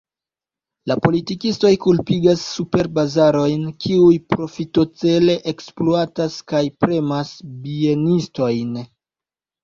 La politikistoj kulpigas superbazarojn, kiuj profitocele ekspluatas kaj premas bienistojn.